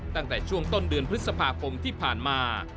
ตั้งแต่ช่วงต้นเดือนพฤษภาคมที่ผ่านมา